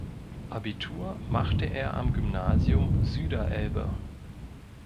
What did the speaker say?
Abitur machte er am Gymnasium Süderelbe.